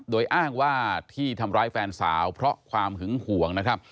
โดยอ้างว่าที่ทำร้ายแฟนสาวเพราะความหึงห่วงนะครับ